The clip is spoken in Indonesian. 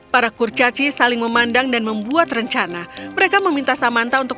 para kurcaci saling memandang dan membuat rencana mereka meminta samanta untuk